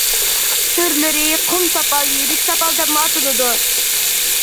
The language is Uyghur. تۈرلىرى قۇم ساپال يىرىك ساپال دەپمۇ ئاتىلىدۇ.